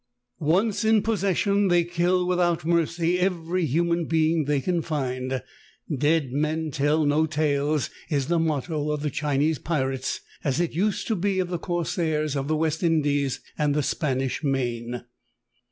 Once in possession they kill without mercy every human being they can find. " Dead men tell no tales " is the motto of the Chinese pirates, as it used to be of the corsairs of the West Indies and the Spanish main.